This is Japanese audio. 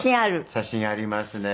写真ありますね。